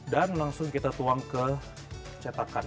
dan langsung kita tuang ke cetakan